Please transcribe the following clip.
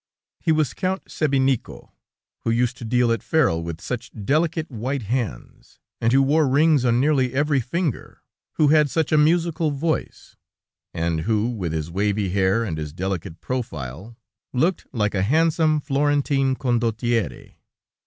"He was Count Sebinico, who used to deal at faro with such delicate, white hands, and who wore rings on nearly every finger, who had such a musical voice, and who, with his wavy hair, and his delicate profile, looked like a handsome, Florentine Condottiere.